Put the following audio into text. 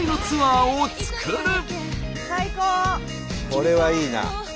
これはいいな。